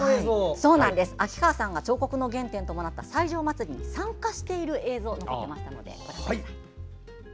秋川さんの彫刻の原点ともなった西条まつりに参加している映像を見つけました。